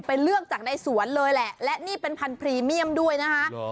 เลือกจากในสวนเลยแหละและนี่เป็นพันธรีเมียมด้วยนะคะ